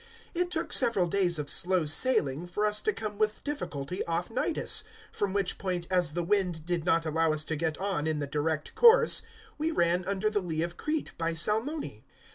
027:007 It took several days of slow sailing for us to come with difficulty off Cnidus; from which point, as the wind did not allow us to get on in the direct course, we ran under the lee of Crete by Salmone.